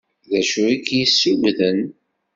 D acu k-yessugden?